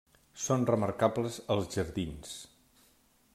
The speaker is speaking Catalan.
Són remarcables els jardins.